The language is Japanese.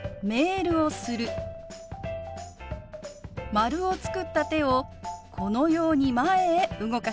丸を作った手をこのように前へ動かします。